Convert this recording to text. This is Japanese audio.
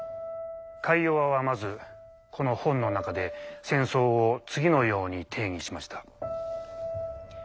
カイヨワはまずこの本の中で戦争を次のように定義しました。